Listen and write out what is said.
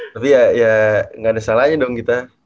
tapi ya nggak ada salahnya dong kita